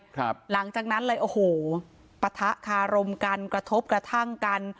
หลังจากนั้นเลยโอ้โหปะทะคารมกันกระทบกระทั่งกัน